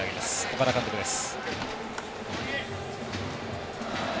岡田監督です。